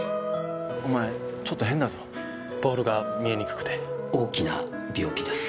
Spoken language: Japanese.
お前ちょっと変だぞボールが見えにくくて大きな病気です